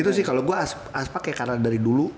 itu sih kalo gue aspak ya karena dari dulu